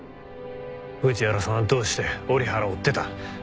藤原さんはどうして折原を追ってた？